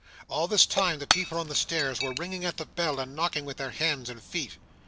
All this time the people on the stairs were ringing at the bell, and knocking with their hands and feet.